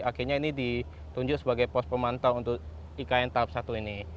akhirnya ini ditunjuk sebagai pos pemantau untuk ikn tahap satu ini